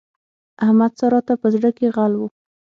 احمد؛ سارا ته په زړ کې غل وو.